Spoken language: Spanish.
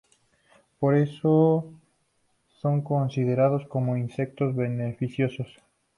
Por eso son considerados como insectos beneficiosos.